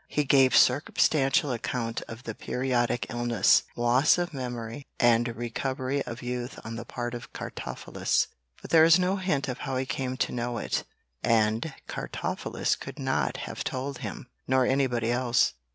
He gave circumstantial account of the periodic illness, loss of memory, and recovery of youth on the part of Cartaphilus; but there is no hint of how he came to know it, and Cartaphilus could not have told him, nor anybody else.